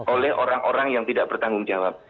oleh orang orang yang tidak bertanggung jawab